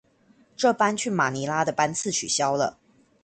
這班去馬尼拉的班次取消了